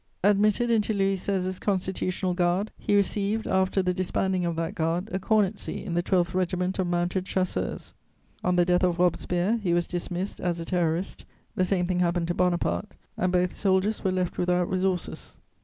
Admitted into Louis XVI.'s Constitutional Guard, he received, after the disbanding of that guard, a cornetcy in the 12th Regiment of Mounted Chasseurs. On the death of Robespierre, he was dismissed as a Terrorist; the same thing happened to Bonaparte, and both soldiers were left without resources.